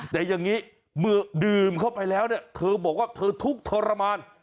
แต่อย่างนี้เมื่อดื่มเข้าไปแล้วเนี่ยเธอบอกว่าเธอทุกข์ทรมาน